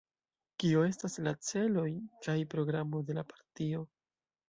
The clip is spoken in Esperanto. Kio estas la celoj kaj programo de la partio?